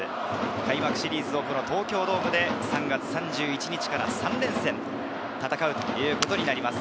開幕シリーズを東京ドームで３月３１日から３連戦、戦うことになります。